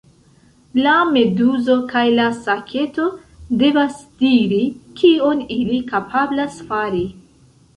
La meduzo kaj la saketo devas diri kion ili kapablas fari.